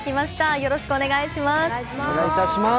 よろしくお願いします。